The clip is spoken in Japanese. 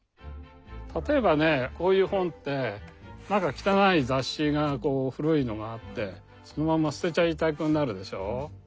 例えばねこういう本ってなんか汚い雑誌が古いのがあってそのまんま捨てちゃいたくなるでしょう。